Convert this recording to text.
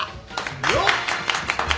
よっ！